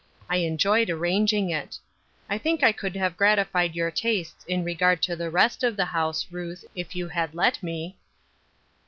I enjoyed arranging it. I think I could have gratified your tastes in regard to the rest of th^e house, Ruth, if you had let me."